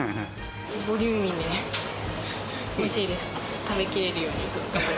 ボリューミーでおいしいです。